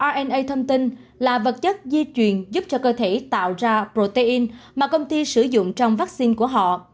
iana thông tin là vật chất di truyền giúp cho cơ thể tạo ra protein mà công ty sử dụng trong vaccine của họ